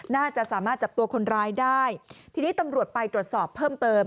น่าจะสามารถจับตัวคนร้ายได้ทีนี้ตำรวจไปตรวจสอบเพิ่มเติม